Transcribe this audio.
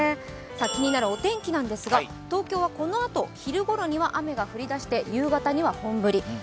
気になるお天気なんですが東京はこのあと昼ごろには雨が降り出して夕方には本降り。